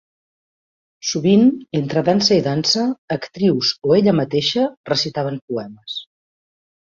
Sovint, entre dansa i dansa, actrius o ella mateixa recitaven poemes.